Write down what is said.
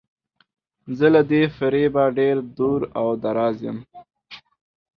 زه له دې فریبه ډیر دور او دراز یم.